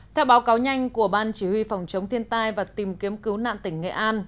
theo báo cáo nhanh của ban chỉ huy phòng chống thiên tai và tìm kiếm cứu nạn tỉnh nghệ an